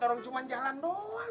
orang cuma jalan doang